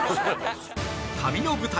旅の舞台